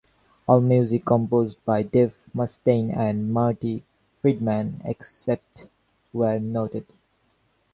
All music composed by Dave Mustaine and Marty Friedman except where noted.